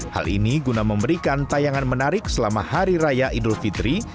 hal ini guna memberikan tayangan menarik selama hari raya idul fitri